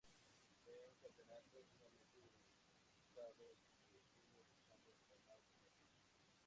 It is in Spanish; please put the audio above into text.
Fue un campeonato sumamente disputado, que se obtuvo luchando hasta la última fecha.